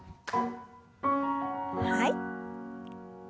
はい。